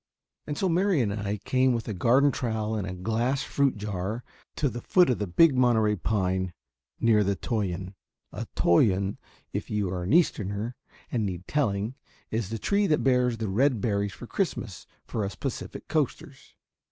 And so Mary and I came with a garden trowel and a glass fruit jar to the foot of the big Monterey pine near the toyon. A toyon, if you are an Easterner and need telling, is the tree that bears the red berries for Christmas for us Pacific Coasters.